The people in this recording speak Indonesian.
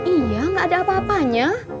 iya gak ada apa apanya